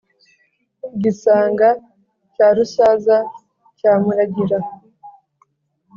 gisanga cya rusaza cya muragira